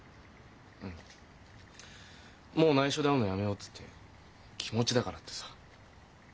うん「もうないしょで会うのやめよう」っつって「気持ちだから」ってさ。